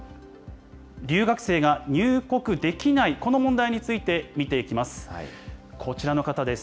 留学生が入国できない、この問題について見ていきます。